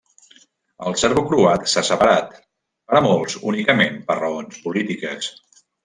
El serbocroat s'ha separat, per a molts, únicament, per raons polítiques.